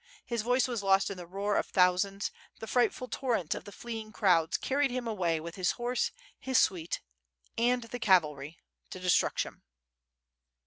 His voice was lost in the roar of thousands, the frightful torrent of the fleeing crowds carried him away with his horse, his suite, and the cavalry, to destruction.